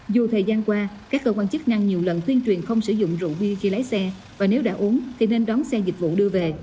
dù thời gian qua các cơ quan chức năng nhiều lần tuyên truyền không sử dụng rượu bia khi lái xe và nếu đã uống thì nên đón xe dịch vụ đưa về